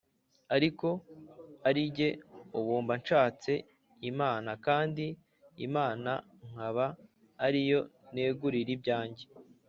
“ariko ari jye ubu mba nshatse imana, kandi imana nkaba ari yo negurira ibyanjye